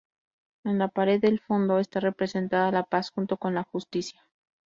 En la pared del fondo está representada la Paz junto con la Justicia.